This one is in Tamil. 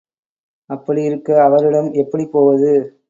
அப்படியிருக்க, அவரிடம் எப்படிப் போவது?